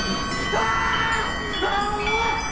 ああ！